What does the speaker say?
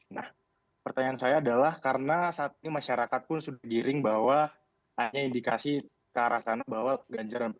nah pertanyaan saya adalah karena saat ini masyarakat pun sudah giring bahwa hanya indikasi ke arah sana bahwa ganjar dan p tiga